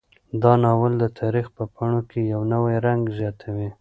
دا ناول د تاریخ په پاڼو کې یو نوی رنګ زیاتوي.